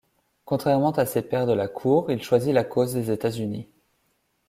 Contrairement à ses pairs de la Cour, il choisit la cause des États-Unis.